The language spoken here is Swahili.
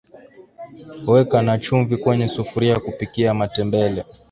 weka na chumvi kwenye sufuria kupikia matembele